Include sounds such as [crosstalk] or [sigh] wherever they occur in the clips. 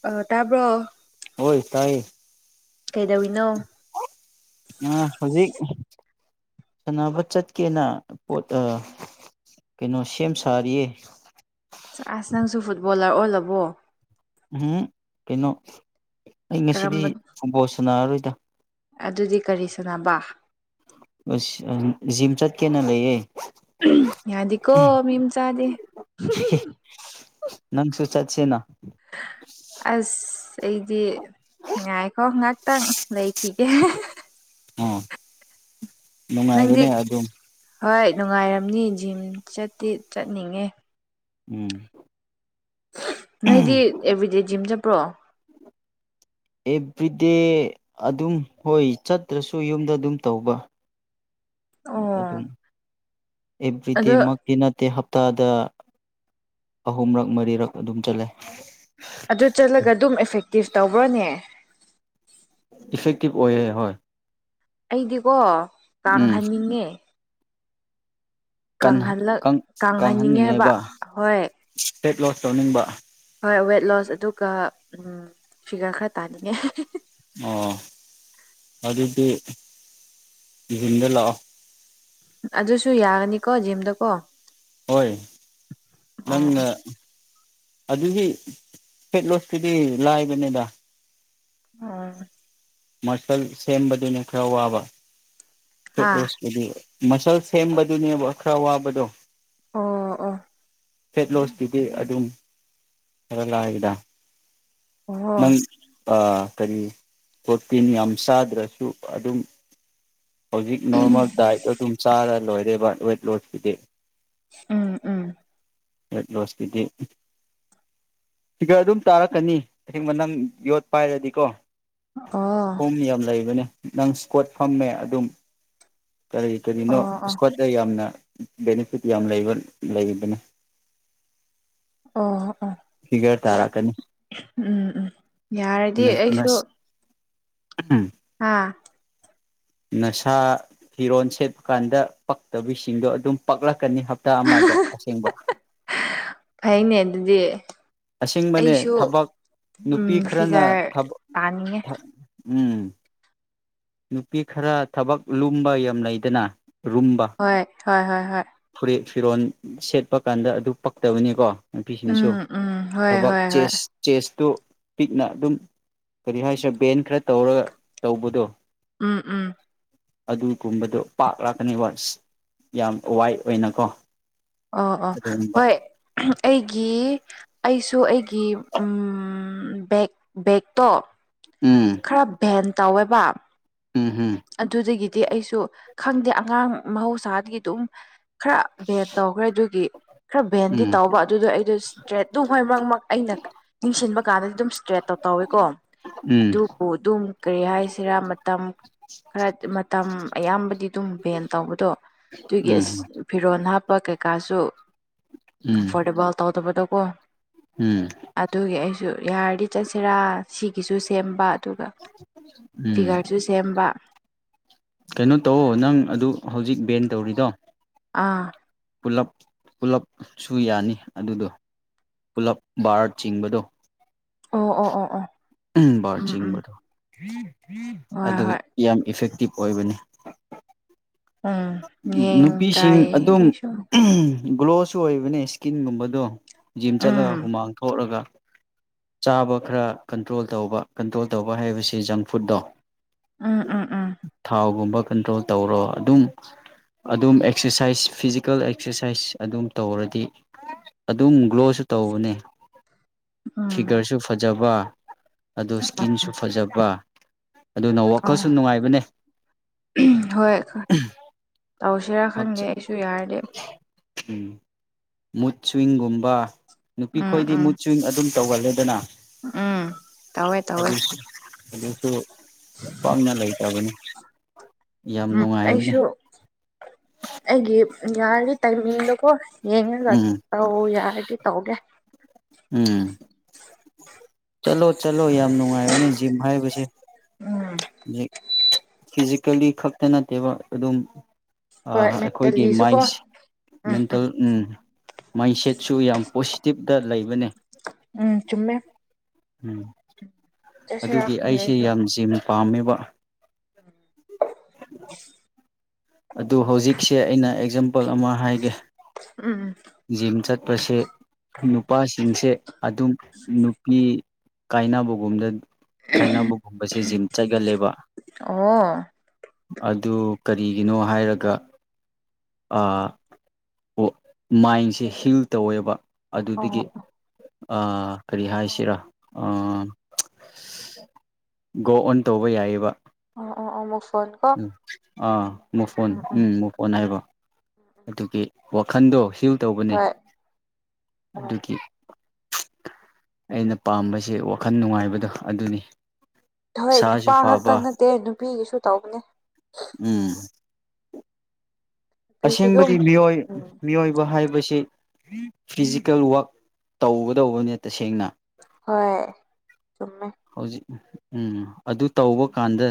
ꯑ ꯇꯥꯕ꯭ꯔꯣ ꯑꯣꯏꯣꯏ ꯇꯥꯏ ꯀꯩꯗꯧꯅꯣ ꯎꯝ ꯍꯧꯖꯤꯛ ꯁꯥꯟꯅꯕ ꯆꯠꯀꯦꯅ ꯄꯣꯠ ꯀꯩꯅꯣ ꯁꯦꯝ ꯁꯥꯔꯤꯌꯦ ꯑꯁ ꯅꯪꯁꯨ ꯐꯨꯠꯕꯣꯂꯔ ꯑꯣꯜꯂꯕꯣ ꯎꯝ ꯀꯩꯅꯣ ꯑꯩ ꯉꯁꯤꯗꯤ ꯀꯔꯝꯕ ꯐꯕꯣꯜ ꯁꯥꯟꯅꯔꯔꯣꯏꯗ ꯑꯗꯨꯗꯤ ꯀꯔꯤ ꯁꯥꯟꯅꯕ ꯖꯤꯝꯆꯠ ꯀꯅꯥ ꯂꯩꯌꯦꯦ ꯌꯥꯗꯤꯀꯣ ꯃꯝ ꯆꯥꯗꯦ ꯅꯪ ꯁꯨ ꯆꯠꯁꯦꯅ ꯑꯁ ꯑꯩꯗꯤ ꯉꯥꯏꯈꯣ ꯉꯍꯥꯛꯇꯪ ꯂꯩꯈꯤ ꯑꯦ ꯑꯥ ꯅꯪꯗꯤ ꯅꯨꯡꯉꯥꯏꯕꯅꯦ ꯑꯗꯨꯝ ꯍꯣꯏ ꯅꯨꯡꯉꯥꯏꯔꯝꯅꯤ ꯖꯤꯝ ꯆꯠꯇꯤ ꯆꯠꯅꯤꯡꯉꯦ ꯎꯝ ꯅꯣꯏꯗꯤ ꯑꯦꯕ꯭ꯔꯤꯗꯦ ꯖꯤꯝ ꯆꯠꯄ꯭ꯔꯣ ꯑꯦꯚ꯭ꯔꯤꯗꯦ ꯑꯗꯨꯝ ꯍꯣꯏ ꯆꯠꯇ꯭ꯔꯁꯨ ꯌꯨꯝꯗ ꯑꯗꯨꯝ ꯇꯧꯕ [unintelligible] ꯑꯗꯨ ꯑꯣ ꯑꯗꯣ ꯑꯦꯕ꯭ꯔꯤꯗꯦꯃꯛꯇꯤ ꯅꯠꯇꯦ ꯍꯞꯇꯥꯗ ꯑꯍꯨꯝꯔꯛ ꯃꯔꯤꯔꯛ ꯑꯗꯨꯝ ꯆꯠꯂꯦ ꯑꯗꯨ ꯆꯠꯂꯒ ꯑꯗꯨꯝ ꯏꯐꯦꯛꯇꯤꯞ ꯇꯧꯕ꯭ꯔꯥꯅꯦ ꯏꯐꯦꯛꯇꯤꯚ ꯑꯣꯏꯌꯦꯦ ꯍꯣꯏ ꯑꯩꯗꯤꯀꯣ ꯎꯝ ꯇꯍꯟꯅꯤꯡꯉꯦ ꯀꯥꯡꯍꯟꯅꯤꯡꯉꯦ ꯍꯥꯏꯕ ꯀꯪꯍꯟꯅꯤꯡꯉꯦꯕ ꯍꯣꯏ ꯄꯦꯠ ꯂꯣꯁ ꯇꯧꯅꯤꯡꯕ ꯍꯣꯏ ꯋꯦꯠ ꯂꯣꯁ ꯑꯗꯨꯒ ꯐꯤꯒꯔ ꯈꯔ ꯇꯥꯅꯤꯡꯉꯦ ꯑꯣ ꯑꯗꯨꯗꯤ ꯗ ꯂꯥꯛꯑꯣ ꯑꯗꯨꯁꯨ ꯌꯥꯒꯅꯤꯀꯣ ꯖꯤꯝꯗꯀꯣ ꯍꯣꯏ ꯅꯪꯅ ꯑꯣ ꯑꯗꯨꯒꯤ ꯐꯦꯠ ꯂꯣꯁꯀꯤꯗꯤ ꯂꯥꯏꯕꯅꯤꯗ ꯑꯥ ꯃꯁꯜ ꯁꯦꯝꯕꯗꯨꯅ ꯈꯔ ꯋꯥꯕ ꯍꯥ ꯐꯦꯠꯂꯣꯁꯄꯨꯗꯤ ꯃꯁꯜ ꯁꯦꯝꯕꯗꯨꯅꯦꯕ ꯈꯔ ꯋꯥꯕꯗꯣ ꯑ ꯑꯥ ꯐꯦꯠꯂꯣꯁꯇꯨꯗꯤ ꯑꯗꯨꯝ ꯈꯔ ꯂꯥꯛꯑꯗ ꯑꯣ ꯀꯔꯤ ꯄ꯭ꯔꯣꯇꯤꯟ ꯌꯥꯝ ꯆꯥꯗ꯭ꯔꯁꯨ ꯑꯗꯨꯝ ꯍꯧꯖꯤꯛ ꯅꯣꯔꯃꯦꯜ ꯗꯥꯏꯠ ꯑꯗꯨꯝ ꯆꯥꯔ ꯂꯣꯏꯔꯦꯕ ꯋꯦꯠ ꯂꯣꯁꯀꯤꯨꯗꯤ ꯎꯝ ꯎꯝ ꯑꯦꯠ ꯂꯁꯤꯗꯤ ꯁꯤꯒꯔ ꯑꯗꯨꯝ ꯆꯥꯔꯛꯀꯅꯤ ꯑꯁꯦꯡꯕ ꯅꯪ ꯌꯣꯠ ꯄꯥꯏꯔꯗꯤꯀꯣ ꯑꯣ ꯐꯣꯝ ꯌꯥꯝ ꯂꯩꯕꯅꯦ ꯅꯪ ꯏꯁꯀꯣꯠ ꯐꯝꯃꯦ ꯑꯗꯨꯝ ꯀꯔꯤ ꯑꯣ ꯀꯔꯤꯅꯣ ꯑꯣ ꯏꯁꯀ꯭ꯋꯥꯠꯇ ꯌꯥꯝꯅ ꯕꯦꯅꯤꯐꯤꯠ ꯌꯥꯝ ꯂꯩꯕ ꯂꯩꯕꯅꯦ ꯑ ꯑꯣ ꯎꯝ ꯎꯝ ꯌꯥꯔꯗꯤ ꯑꯩꯁꯨ ꯎꯝ ꯑꯥ ꯅꯁꯥ ꯐꯤꯔꯣꯜ ꯁꯦꯠꯄ ꯀꯥꯟꯗ ꯄꯛꯇꯕꯤꯁꯤꯡꯗꯣ ꯑꯗꯨꯝ ꯄꯛꯂꯛ ꯍꯥꯀꯅꯤ ꯍꯞꯇꯥ ꯑꯃꯗ ꯑꯁꯦꯡꯕ ꯐꯩꯅꯦ ꯑꯗꯨꯗꯤ ꯑꯁꯦꯡꯕꯅꯦ ꯑꯩꯁꯨ ꯊꯕꯛ ꯅꯨꯄꯤ ꯎꯝ ꯈꯔꯅ ꯐꯤꯒꯔ ꯇꯥꯅꯤꯡꯉꯦ ꯎꯝ ꯅꯨꯄꯤ ꯈꯔ ꯊꯕꯛ ꯂꯨꯝꯕ ꯌꯥꯝ ꯂꯩꯗꯅ ꯔꯨꯝꯕ ꯍꯣꯏ ꯍꯣꯏ ꯍꯣꯏ ꯍꯣꯏ ꯐꯨꯔꯤꯠ ꯐꯤꯔꯣꯜ ꯁꯦꯠꯄ ꯀꯥꯟꯗ ꯑꯗꯨ ꯄꯛꯇꯕꯅꯤꯀꯣ ꯅꯨꯄꯤꯁꯤꯡꯁꯨ ꯎꯝ ꯎꯝ ꯍꯣꯏ ꯊꯕꯛ ꯍꯣꯏ ꯍꯣꯏ ꯆꯦꯁ ꯆꯦꯁꯇꯨ ꯄꯤꯛꯅ ꯑꯗꯨꯝ ꯀꯔꯤ ꯍꯥꯏꯁꯤꯦ ꯕꯦꯟ ꯈꯔ ꯇꯧꯔꯒ ꯇꯧꯕꯗꯣ ꯎꯝ ꯎꯝ ꯑꯗꯨꯒꯨꯝꯕꯗꯣ ꯄꯥꯛ ꯂꯥꯛꯀꯅꯦꯕꯁ ꯌꯥꯝ ꯋꯥꯏꯠ ꯑꯣꯏꯅꯀꯣ ꯑꯣ ꯑꯣ ꯑꯗꯨꯒꯨꯝꯕ ꯍꯣꯏ ꯑꯩꯒꯤ ꯑꯩꯁꯨ ꯑꯩꯒꯤ ꯕꯦꯛ ꯕꯦꯛꯇꯣ ꯎꯝ ꯈꯔ ꯚꯦꯟ ꯇꯧꯋꯦꯕ ꯎꯝ ꯎꯝ ꯑꯗꯨꯗꯒꯤꯗꯤ ꯑꯩꯁꯨ ꯈꯪꯗꯦ ꯑꯉꯥꯡ ꯃꯍꯧꯁꯥꯗꯒꯤ ꯑꯗꯨꯝ ꯈꯔ ꯚꯦꯟ ꯇꯧꯈ꯭ꯔꯦ ꯑꯗꯨꯒꯤ ꯈꯔ ꯕꯦꯟꯗꯤ ꯎꯝ ꯇꯧꯕ ꯑꯗꯨꯗꯣ ꯑꯩꯗꯣ ꯏꯁꯇ꯭ꯔꯦꯠ ꯅꯨꯡ ꯍꯣꯏ ꯃꯔꯛ ꯑꯩꯅ ꯅꯤꯡꯁꯤꯡꯟꯕ ꯀꯥꯟꯗꯗꯤ ꯑꯗꯨꯝ ꯏꯁꯇ꯭ꯔꯦꯠ ꯇꯧ ꯇꯧꯋꯦꯀꯣ ꯎꯝ ꯑꯗꯨꯕꯨ ꯑꯗꯨꯝ ꯀꯔꯤ ꯍꯥꯏꯁꯤꯔꯥ ꯃꯇꯝ ꯈꯔ ꯃꯇꯝ ꯑꯌꯥꯝꯕꯗꯤ ꯑꯗꯨꯝ ꯚꯦꯟ ꯇꯧꯕꯗꯣ ꯑꯗꯨꯒꯤ ꯑꯁ ꯐꯤꯔꯣꯜ ꯍꯥꯞꯄ ꯀꯩꯀꯥꯁꯨ ꯎꯝ ꯎꯝ ꯀꯝꯐꯣꯔꯇꯦꯕꯜ ꯇꯧ ꯠꯇꯄ ꯇ ꯀꯣ ꯎꯝ ꯑꯗꯨꯒꯤ ꯑꯩꯁꯨ ꯌꯥꯔꯗꯤ ꯆꯠꯁꯤꯔꯥ ꯁꯤꯒꯤꯁꯨ ꯁꯦꯝꯕ ꯑꯗꯨꯒ ꯎꯝ ꯐꯤꯒꯔꯁꯨ ꯁꯦꯝꯕ ꯀꯩꯅꯣ ꯇꯧꯑꯣ ꯅꯪ ꯑꯗꯨ ꯍꯧꯖꯤꯛ ꯕꯦꯟ ꯇꯧꯔꯤꯗꯣ ꯑꯥ ꯄꯨꯞ ꯄꯨꯂꯞꯁꯨ ꯌꯥꯅꯤ ꯑꯗꯨꯗꯣ ꯄꯨꯂꯞ ꯕꯥꯔ ꯆꯤꯡꯕꯗꯣ ꯑꯣ ꯑꯣ ꯑꯣ ꯑꯣ ꯕꯥꯔ ꯎꯝ ꯎꯝ ꯆꯤꯡꯕꯗꯣ ꯍꯣꯏ ꯑꯗꯨ ꯍꯣꯏ ꯌꯥꯝ ꯏꯐꯦꯛꯇꯤꯞ ꯑꯣꯏꯕꯅꯤ ꯎꯝ ꯌꯦꯡ ꯅꯨꯄꯤꯁꯤꯡ ꯇ꯭ꯔꯥꯏ ꯑꯗꯨꯝ ꯌꯦꯡꯒꯦꯁꯨ ꯒ꯭ꯂꯣꯁꯨ ꯑꯣꯏꯕꯅꯦ ꯏꯁꯀꯤꯟꯒꯨꯝꯕꯗꯣ ꯖꯤꯝ ꯆꯠꯂꯒ ꯎꯝ ꯍꯨꯃꯥꯡ ꯊꯣꯛꯑꯒ ꯆꯥꯕ ꯈꯔ ꯀꯟꯇ꯭ꯔꯣꯜ ꯇꯧꯕ ꯀꯟꯇ꯭ꯔꯣꯜ ꯇꯧꯕ ꯍꯥꯏꯕꯁꯤ ꯖꯪ ꯐꯨꯗꯠꯇꯣ ꯎꯝ ꯎꯝ ꯎꯝ ꯊꯥꯎꯒꯨꯝꯕ ꯀꯟꯇ꯭ꯔꯣꯜ ꯇꯧꯔꯣ ꯑꯗꯨꯝ ꯑꯗꯨꯝ ꯑꯦꯛꯁꯔꯁꯥꯏꯁ ꯐꯤꯖꯤꯀꯦꯜ ꯑꯦꯛꯁꯔꯁꯥꯏꯁ ꯑꯗꯨꯝ ꯇꯧꯔꯗꯤ ꯑꯗꯨꯝ ꯒ꯭ꯂꯣꯁꯨ ꯇꯧꯕꯅꯦ ꯎꯝ ꯐꯤꯒꯔꯁꯨ ꯐꯖꯕ ꯑꯗꯨꯣ ꯏꯁꯀꯤꯟꯁꯨ ꯐꯖꯕ ꯑꯗꯨꯅ ꯑꯥ ꯋꯥꯈꯜꯁꯨ ꯅꯨꯡꯉꯥꯏꯕꯅꯦ ꯍꯣꯏ ꯇꯧꯁꯤꯔꯥ ꯈꯪꯗꯦ ꯑꯩꯁꯨ ꯌꯥꯔꯗꯤ ꯎꯝ ꯃꯨꯠ ꯁ꯭ꯋꯤꯡꯒꯨꯝꯕ ꯅꯨꯄꯤ ꯎꯝ ꯈꯣꯏꯗꯤ ꯎꯝ ꯃꯨꯠ ꯁ꯭ꯋꯤꯡ ꯑꯗꯨꯝ ꯇꯧꯒꯜꯂꯦꯗꯅ ꯎꯝ ꯇꯧꯋꯦ ꯇꯧꯋꯦ ꯑꯗꯨꯁꯨ ꯑꯗꯨꯁꯨ ꯄꯝꯅ ꯂꯩꯇꯕꯅꯤ ꯌꯥꯝ ꯅꯨꯡꯉꯥꯏꯕꯅꯦ ꯑꯩꯒꯤꯦ ꯌꯥꯔ ꯇꯥꯏꯃꯤꯗꯒꯣ ꯎꯝ ꯌꯦꯉꯠꯇ ꯌꯥꯔꯗꯤ ꯇꯧꯒꯦ ꯎꯝ ꯆꯠꯂꯣ ꯆꯠꯂꯣ ꯌꯥꯝ ꯅꯨꯡꯉꯥꯏꯕꯅꯦ ꯖꯤꯝ ꯍꯥꯏꯕꯁꯦ ꯎꯝ ꯍꯧꯖꯤꯛ ꯐꯤꯖꯤꯀꯦꯜꯂꯤ ꯈꯛꯇ ꯅꯠꯇꯦꯕ ꯑꯗꯨꯝ ꯍꯣꯏ ꯑꯩꯈꯣꯏꯒꯤ ꯃꯦꯟꯇꯦꯜꯂꯤꯁꯨ ꯀꯣ ꯃꯥꯏꯟꯁ ꯎꯝ ꯎꯝ ꯃꯦꯟꯇꯦꯜ ꯃꯥꯏꯟꯁꯦꯠꯁꯨ ꯌꯥꯝ ꯄꯣꯖꯤꯇꯤꯞꯇ ꯂꯩꯕꯅꯦ ꯎꯝ ꯆꯨꯝꯃꯦ ꯎꯝ ꯆꯠꯁꯤꯔꯥ ꯑꯗꯨꯗꯤ ꯈꯪꯗꯦ ꯑꯩꯁꯦ ꯑꯩꯁꯨ ꯌꯥꯝ ꯖꯤꯝ ꯄꯥꯝꯃꯦꯕ ꯑꯗꯨ ꯍꯧꯖꯤꯛꯁꯦ ꯑꯩꯅ ꯑꯦꯛꯖꯥꯝ ꯊꯕꯛ ꯑꯃ ꯍꯥꯏꯒꯦ ꯎꯝ ꯖꯤꯝ ꯆꯠꯄꯁꯦ ꯅꯨꯄꯥꯁꯤꯡꯁꯦ ꯑꯗꯨꯝ ꯅꯨꯄꯤ ꯀꯥꯏꯅꯕꯒꯨꯝꯗ ꯈꯥꯏꯅꯕꯒꯨꯝꯁꯦ ꯖꯤꯝ ꯆꯠꯒꯂꯦꯕ ꯑꯣ ꯑꯗꯨ ꯀꯔꯤꯒꯤꯅꯣ ꯍꯥꯏꯔꯒ ꯃꯥꯏꯟꯁꯦ ꯍꯤꯜ ꯇꯧꯋꯦꯕ ꯑꯗꯨꯗꯒꯤ ꯑꯣ ꯀꯔꯤ ꯍꯥꯏꯁꯤꯔꯥ ꯒꯣ ꯑꯣꯟ ꯇꯧꯕ ꯌꯥꯏꯑꯕ ꯑꯣ ꯑꯣ ꯑꯣ ꯃꯛ ꯎꯝ ꯑꯥ ꯃ ꯐꯣꯟ ꯎꯝ ꯃ ꯐꯣꯟ ꯍꯥꯏꯕꯣ ꯑꯗꯨꯒꯤ ꯋꯥꯈꯜꯗꯣ ꯍꯜ ꯇꯧꯕꯅꯦ ꯍꯣꯏ ꯎꯝ ꯑꯗꯨꯒꯤ ꯑꯩꯅ ꯄꯥꯝꯁ ꯋꯥꯈꯜ ꯅꯨꯡꯉꯥꯏꯕꯗꯣ ꯑꯗꯨꯅꯤ ꯍꯣꯏ ꯁꯥꯁꯨ ꯅꯨꯄꯥ ꯈꯛꯇ ꯐꯕ ꯅꯠꯇꯦ ꯅꯨꯄꯤꯒꯤꯁꯨ ꯇꯧꯅꯦ ꯎꯝ ꯅꯨꯄꯤꯁꯨ ꯑꯗꯨꯝ ꯑꯁꯦꯡꯕꯗꯤ ꯃꯤꯑꯣ ꯎꯝ ꯃꯤꯑꯣꯏꯕ ꯍꯥꯏꯕ ꯍꯥꯏꯕꯁꯤ ꯐꯤꯖꯤꯀꯦꯜ ꯋꯛ ꯇꯧꯒꯗꯧꯕꯅꯦ ꯇꯁꯦꯡꯅ ꯍꯣꯏ ꯆꯨꯝꯃꯦ ꯍꯧꯖꯤꯛ ꯎꯝ ꯑꯗꯨ ꯇꯧꯕ ꯀꯥꯟꯗ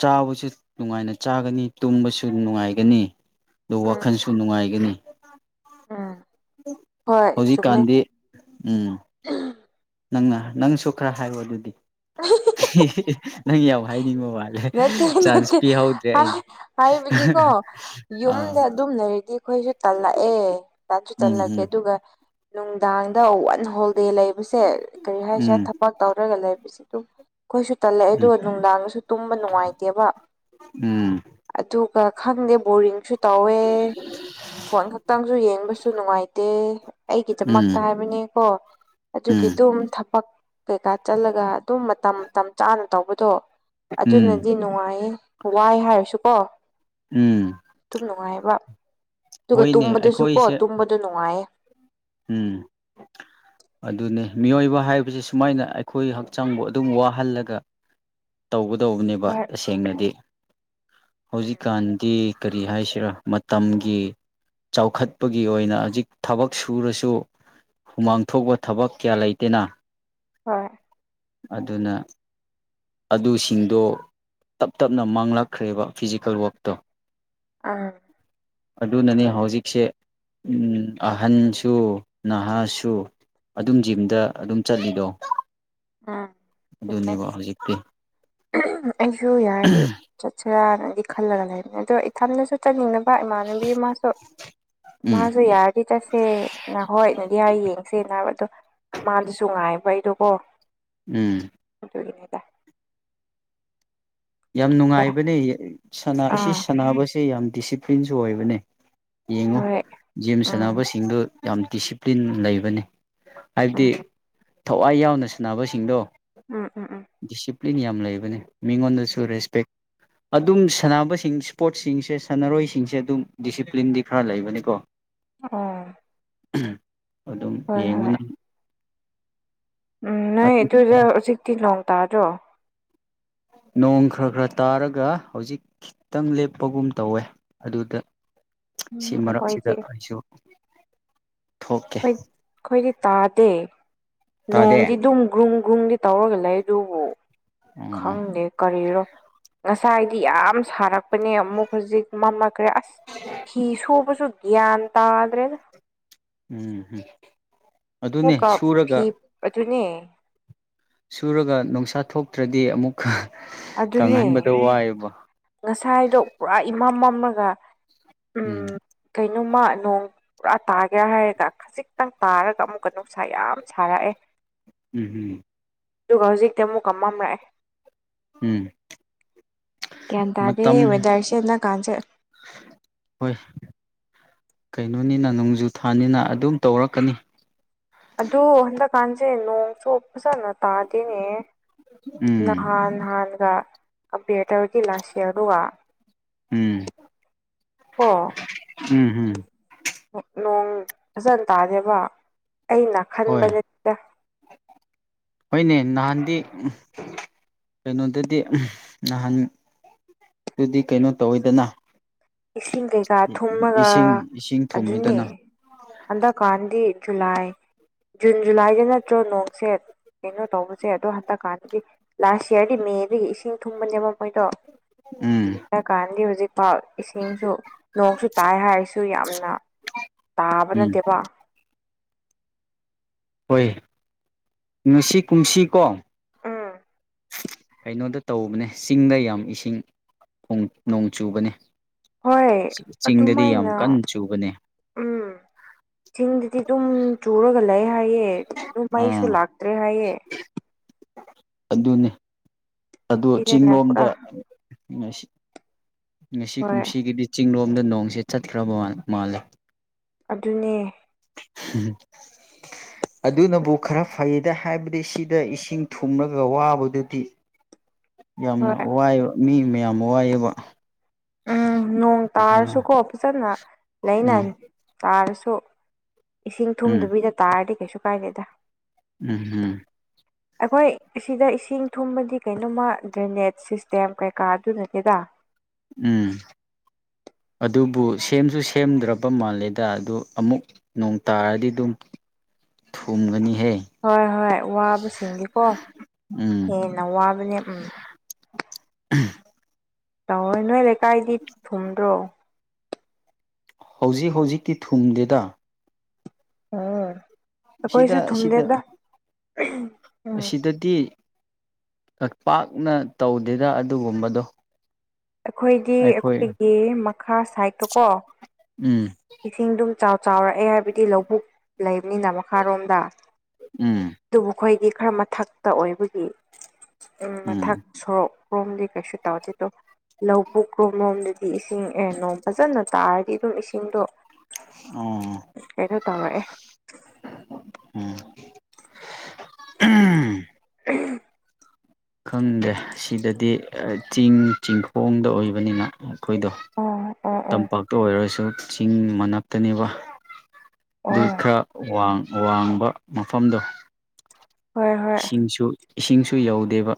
ꯆꯥꯕꯁꯨ ꯅꯨꯡꯉꯥꯏꯅ ꯆꯥꯒꯅꯤ ꯇꯨꯝꯕꯁꯨ ꯅꯨꯡꯉꯥꯏ ꯅꯨꯡꯉꯥꯏꯒꯅꯤ ꯑꯗꯨ ꯎꯝ ꯋꯥꯈꯜꯁꯨ ꯅꯨꯡꯉꯥꯏꯒꯅꯤ ꯎꯝ ꯍꯣꯏ ꯆꯨꯝꯃꯦ ꯍꯧꯖꯤꯛꯀꯥꯟꯗꯤ ꯎꯝ ꯅꯪꯅ ꯅꯪꯁꯨ ꯈꯔ ꯍꯥꯏꯌꯣ ꯑꯗꯨꯗꯤ ꯅꯪ ꯌꯥꯎ ꯍꯥꯏꯅꯤꯡꯉꯣ ꯅꯠꯇꯦ ꯅꯠꯇꯦ ꯍꯥꯏꯕꯗꯤꯀꯣ ꯑꯥ ꯌꯨꯝꯗ ꯑꯗꯨꯝ ꯂꯩꯔꯤꯗꯤ ꯑꯩꯈꯣꯏꯁꯨ ꯇꯜꯂꯛꯑꯦ ꯁꯨ ꯇꯜꯂꯛꯀꯦ ꯎꯝ ꯑꯗꯨꯒ ꯅꯨꯡꯗꯥꯡꯗ ꯍꯣꯜꯗꯦ ꯂꯩꯕꯁꯦ ꯀꯔꯤ ꯍꯥꯏꯁꯤꯔꯥ ꯎꯝ ꯊꯕꯛ ꯇꯧꯔꯒ ꯂꯩꯕꯁ ꯑꯗꯨꯝ ꯑꯩꯈꯣꯏꯁꯨ ꯇꯜꯂꯛꯑꯦ ꯎꯝ ꯑꯗꯨꯒ ꯅꯨꯡꯗꯥꯡꯗꯁꯨ ꯇꯨꯝꯕ ꯅꯨꯡꯉꯥꯏꯇꯦꯕ ꯎꯝ ꯑꯗꯨ ꯑꯗꯨꯒ ꯈꯪꯗꯦ ꯕꯣꯔꯤꯡꯁꯨ ꯇꯧꯋꯦ ꯐꯣꯟ ꯈꯛꯇꯪꯁꯨ ꯌꯦꯡꯕꯁꯨ ꯅꯨꯡꯉꯥꯏꯇꯦ ꯎꯝ ꯎꯝ ꯑꯩꯒꯤꯗꯃꯛꯇ ꯍꯥꯏꯕꯅꯦꯀꯣ ꯑꯗꯨꯒꯤ ꯎꯝ ꯑꯗꯨꯝ ꯊꯕꯛ ꯀꯩꯀꯥ ꯆꯠꯂꯒ ꯑꯗꯨꯝ ꯃꯇꯝ ꯃꯇꯝ ꯆꯥꯅ ꯇꯧꯕꯗꯣ ꯎꯝ ꯑꯗꯨꯅꯗꯤ ꯅꯨꯡꯉꯥꯏꯌꯦ ꯋꯥꯏ ꯍꯥꯏꯔꯁꯨꯀꯣ ꯎꯝ ꯑꯗꯨꯨꯝ ꯅꯨꯡꯉꯥꯏꯕ ꯑꯗꯨꯒ ꯍꯣꯏꯅꯦ ꯇꯨꯝꯕꯗꯨꯁꯨ ꯀꯣ ꯑꯩꯈꯣꯏꯁꯦ ꯇꯨꯝꯕꯗ ꯅꯨꯡꯉꯥꯏꯌꯦ ꯎꯝ ꯑꯗꯨꯅꯤ ꯃꯤꯑꯣꯏꯕ ꯍꯥꯏꯕꯁꯤ ꯁꯨꯃꯥꯏꯅ ꯑꯩꯈꯣꯏ ꯍꯛꯆꯥꯡꯕꯨ ꯑꯗꯨꯝ ꯋꯥꯍꯜꯂꯒ ꯇꯧꯒꯗꯧꯕꯅꯦꯕ ꯍꯣꯏ ꯇꯁꯦꯡꯅꯗꯤ ꯎꯝ ꯍꯧꯖꯤꯛꯀꯥꯟꯗꯤ ꯀꯔꯤ ꯍꯥꯏꯁꯤꯔꯣ ꯃꯇꯝꯒꯤ ꯆꯥꯎꯈꯠꯄꯒꯤ ꯑꯣꯏꯅ ꯍꯧꯖꯤꯛ ꯊꯕꯛ ꯁꯨꯔꯁꯨ ꯍꯨꯃꯥꯡ ꯊꯄ ꯊꯕꯛ ꯀꯌꯥ ꯂꯩꯇꯦꯅ ꯍꯣꯏ ꯑꯗꯨꯅ ꯑꯗꯨꯁꯤꯡꯗꯣ ꯇꯞ ꯇꯞꯅ ꯃꯥꯡꯂꯛꯈ꯭ꯔꯦꯕ ꯐꯤꯖꯤꯀꯦꯜ ꯋꯛꯇꯣ ꯎꯝ ꯑꯗꯨꯅꯅꯦ ꯍꯧꯖꯤꯛꯁꯦ ꯑꯍꯟꯁꯨ ꯅꯍꯥꯁꯨ ꯑꯗꯨꯝ ꯖꯤꯝꯗ ꯑꯗꯨꯝ ꯆꯠꯂꯤꯗꯣ ꯑꯗꯨꯅꯦꯕ ꯍꯧꯖꯤꯛ ꯑꯩꯁꯨꯁꯨ ꯌꯥꯔ ꯔꯅꯗꯤ ꯈꯜꯂꯒ ꯂꯩꯕꯅꯦ ꯑꯗꯣ ꯏꯊꯟꯗꯁꯨ ꯆꯠꯅꯤꯡꯅꯕ ꯏꯃꯥꯟꯅꯕꯤ ꯑꯃꯁꯁꯨ ꯎꯝ ꯃꯥꯁꯨ ꯌꯥꯔꯗꯤ ꯆꯠꯁꯦ ꯅ ꯍꯣꯏ ꯅꯗꯤ ꯌꯥꯔ ꯌꯦꯡꯁꯦ ꯅ ꯍꯥꯏꯕ ꯑꯗꯣ ꯃꯥꯗꯤꯁꯨ ꯉꯥꯏꯕ ꯑꯩꯗꯨꯀꯣ ꯎꯝ ꯗ ꯌꯥꯝ ꯅꯨꯡꯉꯥꯏꯕꯅꯦ ꯑꯁꯤ ꯑꯥ ꯁꯥꯟꯅꯕꯁꯦ ꯌꯥꯝ ꯗꯤꯁꯤꯄ꯭ꯂꯤꯟꯁꯨ ꯑꯣꯏꯕꯅꯦ ꯌꯦꯡꯉꯨ ꯍꯣꯏ ꯖꯤꯦꯝ ꯎꯝ ꯁꯥꯟꯅꯕꯁꯤꯡꯗꯨ ꯌꯥꯝ ꯗꯤꯁꯤꯄ꯭ꯂꯤꯟ ꯂꯩꯕꯅꯤ ꯍꯥꯏꯕꯗꯤ ꯎꯝ ꯊꯋꯥꯏ ꯌꯥꯎꯅ ꯁꯥꯟꯅꯕꯁꯤꯡꯗꯣ ꯎꯝ ꯎꯝ ꯎꯝ ꯐꯂꯤꯡ ꯌꯥꯝ ꯂꯩꯕꯅꯤ ꯃꯤꯉꯣꯟꯗꯁꯨ ꯔꯦꯁꯄꯦꯛ ꯑꯗꯨꯝ ꯁꯥꯟꯅꯕꯁꯤꯡ ꯏꯁꯄꯣꯔꯠꯁꯤꯡꯁꯦ ꯁꯥꯟꯅꯔꯣꯏꯁꯤꯡꯁꯦ ꯑꯗꯨꯝ ꯗꯤꯁꯤꯄ꯭ꯂꯤꯟꯗꯤ ꯈꯔ ꯂꯩꯕꯅꯤꯀꯣ ꯑ ꯑꯗꯨꯝ ꯍꯣꯏ ꯌꯦꯡꯉꯨ ꯍꯣꯏ ꯅꯪ ꯎꯝ ꯅ ꯇꯖ ꯁꯤꯇ ꯂꯣꯡꯣꯡ ꯇꯥꯔꯣ ꯅꯣꯡ ꯈꯔ ꯈꯔ ꯇꯥꯔꯒ ꯍꯧꯖꯤꯛ ꯈꯤꯇꯪ ꯂꯦꯞꯄꯒꯨꯝ ꯇꯧꯋꯦ ꯑꯗꯨꯗ ꯁꯤ ꯎꯝ ꯃꯔꯛꯁꯤꯗ ꯑꯩꯈꯣꯏꯗꯤ ꯑꯩꯁꯨ ꯊꯣꯛꯀꯦ ꯣꯏ ꯑꯩꯈꯣꯏꯗꯤ ꯇꯥꯗꯦ ꯇꯥꯗꯦ ꯅꯣꯡꯗꯤ ꯨꯝ ꯒ꯭ꯔꯨꯝ ꯒꯨꯡꯗꯤ ꯇꯧꯔꯒ ꯂꯩ ꯑꯗꯨꯕꯨ ꯎꯝ ꯈꯪꯗꯦ ꯀꯔꯤꯔꯣ ꯉ ꯏꯁꯥꯏꯗꯤ ꯌꯥꯝ ꯁꯥꯔꯛꯄꯅꯦ ꯑꯃꯨꯛ ꯍꯧꯖꯤꯛ ꯃꯝꯃꯈ꯭ꯔꯦ ꯑꯁ ꯐꯤ ꯁꯨꯕꯁꯨ ꯒꯌꯥ ꯑꯇꯥ ꯑꯗꯨ꯭ꯔꯦꯅ ꯎꯝ ꯎꯝ ꯑꯣ ꯀꯥ ꯐꯤ ꯑꯗꯨ ꯑꯗꯨꯅꯦ ꯁꯨꯔꯒ ꯅꯨꯡꯁꯥ ꯊꯣꯛꯇ꯭ꯔꯗꯤ ꯑꯃꯨꯛ ꯑꯗꯨꯅꯦ ꯀꯪꯍꯟꯕꯗꯣ ꯋꯥꯏꯑꯕ ꯉꯁꯥꯏꯗꯣ ꯄꯨꯔꯥ ꯏꯃꯝ ꯃꯝꯂꯒ ꯎꯝ ꯀꯩꯅꯣꯝꯃ ꯅꯣꯡ ꯄꯨꯔꯥ ꯇꯥꯒꯦ ꯍꯥꯏꯔꯒ ꯈꯖꯤꯛꯇꯪ ꯇꯥꯔꯒ ꯑꯃꯨꯛꯀ ꯅꯨꯡꯁꯥ ꯌꯥꯝ ꯁꯥꯔꯛꯑꯦ ꯎꯝ ꯎꯝ ꯑꯗꯨꯒ ꯍꯧꯖꯤꯛꯇꯤ ꯑꯃꯨꯛ ꯀꯃꯝꯂꯑꯦ ꯎꯝ ꯒ꯭ꯌꯥꯟ ꯇꯥꯗꯦ ꯃꯇꯝ ꯋꯦꯗꯔꯁꯦ ꯍꯟꯗꯛꯀꯥꯟꯁꯦ ꯍꯣꯏ ꯀꯩꯅꯣꯅꯤꯅ ꯅꯣꯡꯖꯨ ꯊꯥꯅꯤꯅ ꯑꯗꯨꯝ ꯇꯧꯔꯛꯀꯅꯤ ꯑꯗꯨ ꯍꯟꯗꯛ ꯀꯥꯟꯁꯦꯩꯅꯣ ꯁꯣ ꯁꯥꯥꯅ ꯇꯥꯗꯦꯅꯦ ꯎꯝ ꯅꯍꯥꯟ ꯅꯍꯥꯟꯒꯕꯦꯇ ꯏꯂꯥꯁꯤꯌꯥꯔꯨ ꯑꯣ ꯎꯝ ꯎꯝ ꯍꯝ ꯅꯣꯡ ꯐꯖꯅ ꯇꯥꯗꯦꯕ ꯑꯩꯅ ꯍꯣꯏ ꯈꯟꯕꯗꯇ ꯍꯣꯏꯅꯦ ꯅꯍꯥꯟꯗꯤ ꯀꯩꯅꯣꯗꯗꯤ ꯅꯍꯥꯟ ꯑꯗꯨꯗꯤ ꯀꯩꯅꯣ ꯇꯧꯋꯤꯗꯅ ꯏꯁꯤꯡ ꯀꯩꯀꯥ ꯊꯨꯝꯃꯒ ꯏꯁꯤꯡ ꯏꯁꯤꯡ ꯑꯗꯨꯅꯤ ꯊꯨꯝꯃꯤꯗꯅ ꯍꯟꯗꯛꯀꯥꯟꯗꯤ ꯖꯨꯂꯥꯏ ꯖꯨꯟ ꯖꯨꯂꯥꯏꯗ ꯅꯠꯇ꯭ꯔꯣ ꯅꯣꯡ ꯁꯦꯠ ꯀꯩꯅꯣ ꯇꯧꯕꯁꯦ ꯑꯗꯣ ꯍꯟꯗꯛ ꯀꯥꯟꯗꯗꯤ ꯂꯥꯁ ꯏꯌꯥꯔꯗꯤ ꯃꯦꯗꯒꯤ ꯏꯁꯤꯡ ꯊꯨꯝꯕꯅꯦꯕ ꯃꯣꯏꯗꯣ ꯎꯝ ꯍꯥꯏꯀꯥꯟꯥꯟꯗꯤ ꯍꯧꯖꯤꯛꯐꯥꯎ ꯏꯁꯤꯡꯁꯨ ꯅꯣꯡꯁꯨ ꯇꯥꯏ ꯍꯥꯏꯔꯁꯨ ꯌꯥꯝꯅ ꯇꯥꯕ ꯎꯝ ꯅꯠꯇꯦꯕ ꯍꯣꯏ ꯉꯁꯤ ꯀꯨꯝꯁꯤꯀꯣ ꯎꯝ ꯀꯩꯅꯣꯗ ꯇꯧꯕꯅꯦ ꯆꯤꯡꯗ ꯌꯥꯝ ꯏꯁꯤꯡ ꯅꯣꯡ ꯆꯨꯕꯅꯤ ꯍꯣꯏ ꯑꯗꯨꯃꯥꯏꯅ ꯀꯟꯅ ꯆꯨꯕꯅꯦ ꯎꯝ ꯊꯗꯗꯤ ꯇꯨꯝ ꯆꯨꯔ ꯑꯣꯏꯒꯂ ꯍꯥꯏꯌꯦꯦ ꯑꯗꯨꯃꯩꯁꯨ ꯂꯥꯛꯇ꯭ꯔꯦ ꯍꯥꯏꯌꯦ ꯑꯗꯨꯅꯤ ꯑꯣ ꯆꯤꯡ ꯁꯤꯗꯅ ꯄꯨꯔꯥ ꯂꯣꯝꯗ ꯉꯁꯤ ꯉꯁꯤ ꯍꯣꯏ ꯀꯨꯝꯁꯤꯒꯤꯗꯤ ꯆꯤꯂꯣꯝꯗ ꯅꯣꯡꯁꯤꯦ ꯆꯠꯈ꯭ꯔꯕ ꯃꯥꯜꯂꯦ ꯑꯗꯨꯅꯦ ꯎꯝ ꯑꯗꯨꯅꯕꯨ ꯈꯔ ꯐꯩꯗ ꯍꯥꯏꯕꯗꯤ ꯁꯤꯗ ꯏꯁꯤꯡ ꯊꯨꯝꯂꯒ ꯋꯥꯕꯗꯨꯗꯤ [inaudible] ꯌꯥꯝꯅ ꯍꯣꯏ ꯋꯥꯏꯕ ꯃꯤ ꯃꯌꯥꯝ ꯋꯥꯏꯑꯕ ꯎꯝ ꯅꯣꯡ ꯇꯥꯔꯁꯨꯀꯣ ꯐꯖꯅ ꯎꯝ ꯂꯩꯅꯅꯤ ꯇꯥꯔꯁꯨ ꯏꯁꯤꯡ ꯎꯝ ꯊꯨꯝꯗꯕꯤꯗ ꯇꯥꯔꯗꯤ ꯀꯩꯁꯨ ꯀꯥꯏꯗꯦꯗ ꯎꯝ ꯎꯝ ꯑꯩꯈꯣꯏ ꯑꯁꯤꯗ ꯏꯁꯤꯡ ꯊꯨꯝꯕꯗꯤ ꯀꯩꯅꯣꯝꯃ ꯗ꯭ꯔꯦꯅꯦꯖ ꯁꯤꯁꯇꯦꯝ ꯀꯩꯀꯥ ꯑꯗꯨꯅꯠꯇꯦꯗ ꯎꯝ [unintelligible] ꯑꯗꯨꯕꯨ ꯁꯦꯝꯁꯨ ꯁꯦꯝꯗ꯭ꯔꯕ ꯃꯥꯜꯂꯦꯗ ꯑꯗꯨ ꯑꯃꯨꯛ ꯅꯣꯡ ꯇꯥꯔꯗꯤ ꯑꯗꯨꯝ ꯊꯣꯡꯨꯝꯒꯅꯤ ꯍꯣꯏ ꯍꯣꯏ ꯋꯥꯕꯁꯤꯡꯒꯤꯀꯣ ꯍꯦꯟꯅ ꯋꯥꯕꯅꯦ ꯎꯝ ꯎꯝ ꯇꯣꯏꯅꯣꯏ ꯂꯦꯀꯥꯏꯗꯤ ꯊꯨꯝꯨꯝ ꯔ꯭ꯔꯣ ꯍꯧꯖꯤꯛ ꯍꯧꯖꯤꯛꯤ ꯊꯨꯡꯗꯦꯗ ꯑꯣ ꯀꯣꯏꯁꯨ ꯁꯤꯗ ꯁꯤꯗ ꯊꯨꯝꯗꯦꯒ ꯑꯁꯤꯗꯗꯤ ꯄꯥꯛꯅ ꯇꯧꯗꯦꯔ ꯑꯗꯨꯒꯨꯝꯕꯗꯣ ꯑꯩꯈꯣꯏꯒꯤ ꯑꯩꯈꯣꯏ ꯑꯩꯈꯣꯏꯒꯤ ꯃꯈꯥ ꯁꯥꯏꯠꯇꯀꯣ ꯎꯝ ꯏꯁꯤꯡꯗꯨꯝ ꯆꯥꯎꯔꯛꯑꯦ ꯍꯥꯏꯕꯗꯤ ꯂꯧꯕꯨꯛ ꯂꯩꯕꯅꯤꯅ ꯃꯈꯥꯔꯣꯝꯗ ꯎꯝ ꯑꯗꯨꯕꯨ ꯑꯩꯈꯣꯏꯗꯤ ꯈꯔ ꯃꯊꯛꯇ ꯑꯣꯏꯕꯒꯤ ꯎꯝ ꯃꯊꯛ ꯁꯣꯔꯣꯛ ꯀ꯭ꯔꯣꯝ ꯂꯤ ꯀꯥꯏꯁꯨꯦ ꯇ ꯋꯥꯖꯤꯦꯗꯣ ꯂꯧ ꯄꯨꯛꯀꯣꯂꯣꯝꯗꯗꯤ ꯏꯁꯤꯡ ꯑꯦ ꯅꯣꯡ ꯐꯖꯅ ꯇꯥꯔꯗꯤ ꯑꯗꯨꯝ ꯏꯁꯤꯡꯗꯣ ꯑꯣ ꯑꯩꯩꯅꯣ ꯇꯧꯔꯛꯑꯦ ꯎꯝ ꯎꯝ ꯈꯪꯗꯦ ꯁꯤꯗꯗꯤ ꯆꯤꯡ ꯆꯤꯡꯈꯣꯡꯗ ꯑꯣꯏꯕꯅꯤꯅ ꯑꯩꯈꯣꯏꯗꯣ ꯑꯣ ꯑꯣ ꯑꯣ ꯇꯝꯄꯥꯛꯇ ꯑꯣꯏꯔꯁꯨ ꯆꯤꯡ ꯃꯅꯥꯛꯇꯅꯦꯕ ꯑꯗꯨ ꯑꯣ ꯈꯔ ꯋꯥꯡꯕ ꯃꯐꯝꯗꯣ ꯍꯣꯏ ꯍꯣꯏ ꯏꯁꯤꯡꯁꯨ ꯏꯁꯤꯡꯁꯨ ꯌꯧꯗꯦꯕ